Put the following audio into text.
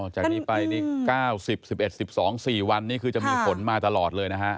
จากนี้ไปนี่๙๐๑๑๑๒๔วันนี้คือจะมีฝนมาตลอดเลยนะฮะ